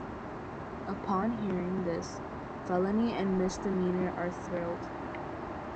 Upon hearing this, Felony and Miss Demeanor are thrilled.